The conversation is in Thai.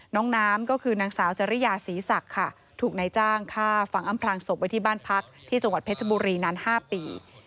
น้องน้ำก็คือนางสาวจริยาศรีศักดิ์ค่ะถูกนายจ้างฆ่าฝังอำพลางศพไว้ที่บ้านพักที่จังหวัดเพชรบุรีนาน๕ปี